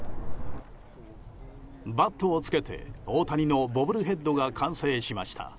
バットをつけて大谷のボブルヘッドが完成しました。